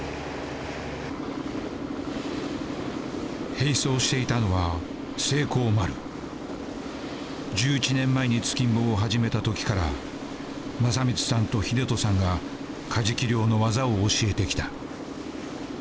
並走していたのは１１年前に突きん棒を始めたときから正光さんと英人さんがカジキ漁の技を教えてきた。